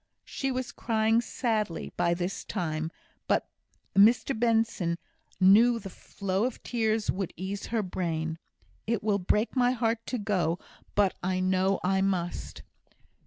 She was crying sadly by this time, but Mr Benson knew the flow of tears would ease her brain. "It will break my heart to go, but I know I must."